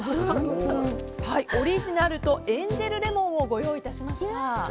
オリジナルとエンジェルレモンをご用意致しました。